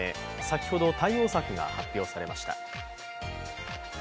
先ほど対応策が発表されました。